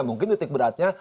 mungkin titik beratnya